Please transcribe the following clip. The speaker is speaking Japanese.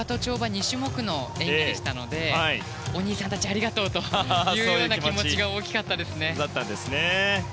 ２種目の演技でしたのでお兄さんたちありがとうという気持ちが大きかったですね。